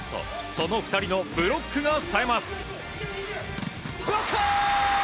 その２人のブロックがさえます。